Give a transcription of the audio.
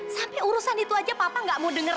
sampai urusan itu aja bapak gak mau dengerin